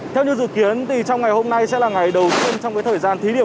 theo như dự kiến trong ngày hôm nay sẽ là ngày đầu tiên trong cái thời gian thí điểm